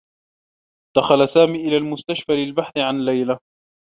دخل سامي إلى المستشفى للبحث عن ليلى.